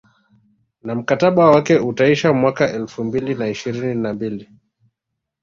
Na mkataba wake utaisha mwaka elfu mbili na ishirini na mbili